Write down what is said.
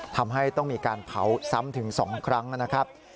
ทำให้ต้องมีการเผาซ้ำถึง๒ครั้งนะครับ